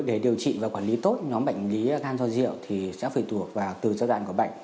để điều trị và quản lý tốt nhóm bệnh lý than do rượu thì sẽ phải thuộc vào từ giai đoạn của bệnh